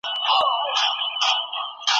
پلار له پخوا زوی ته د ژوند درس ورکړی و.